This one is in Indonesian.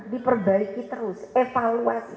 diperbaiki terus evaluasi